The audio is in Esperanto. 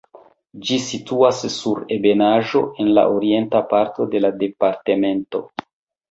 Ĝi situas sur ebenaĵo en la orienta parto de la departemento.